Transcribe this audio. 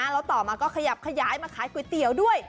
แล้วต่อมาก็ขยับขยายมาขายก๋วยเตี๋ยวด้วย